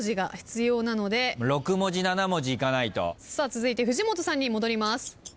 続いて藤本さんに戻ります。